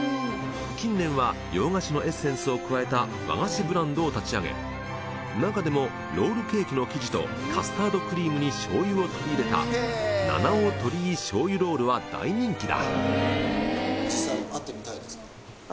近年は洋菓子のエッセンスを加えた和菓子ブランドを立ち上げ中でもロールケーキの生地とカスタードクリームに醤油を取り入れた七尾鳥居醤油ロールは大人気だ。